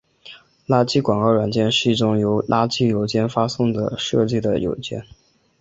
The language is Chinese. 垃圾广告软件是一种由垃圾邮件发送者设计的软件。